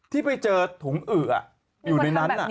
ที่ไปเจอถุงอื่ออยู่ในนั้น